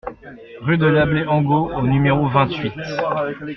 Rue de l'Abbé Angot au numéro vingt-huit